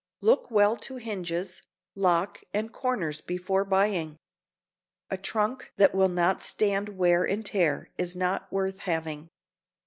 Look well to hinges, lock and corners before buying. A trunk that will not stand wear and tear is not worth having.